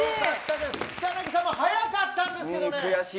草なぎさんも速かったんですけどね。